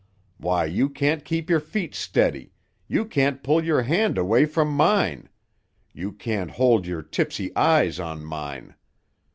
Why, you can't keep your feet steady, you can't pull your hand away from mine. You can't hold your tipsy eyes on mine.